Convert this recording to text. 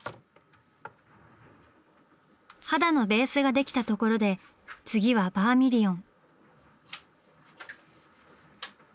肌のベースができたところで次はバーミリオン。